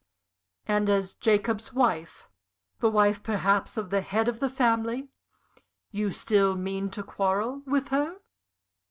"And as Jacob's wife the wife perhaps of the head of the family you still mean to quarrel with her?"